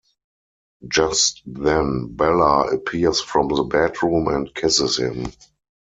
Just then, Bella appears from the bedroom and kisses him.